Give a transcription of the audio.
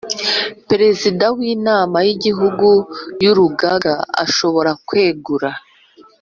Perezida wInama yIgihugu yUrugaga ashobora kwegura